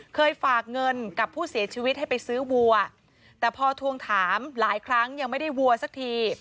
ฝากเงินกับผู้เสียชีวิตให้ไปซื้อวัวแต่พอทวงถามหลายครั้งยังไม่ได้วัวสักที